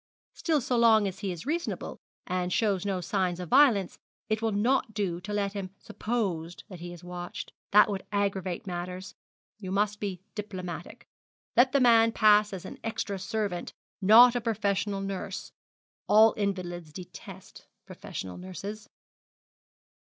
Still so long as he is reasonable, and shows no sign of violence, it will not do to let him suppose that he is watched. That would aggravate matters. You must be diplomatic. Let the man pass as an extra servant, not a professional nurse. All invalids detest professional nurses.'